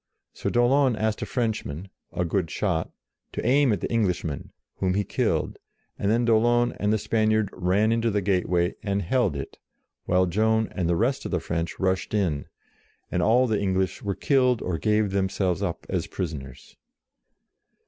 So d'Aulon asked a Frenchman, a good shot, to aim at the Englishman, whom he killed, and then d'Aulon and the Spaniard ran into the gateway, and held it, while Joan and the 42 JOAN OF ARC rest of the French rushed in, and all the English were killed or gave themselves up as prisoners.